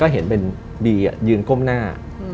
เห็นเป็นบียืนก้มหน้า